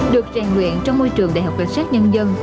được rèn luyện trong môi trường đại học cảnh sát nhân dân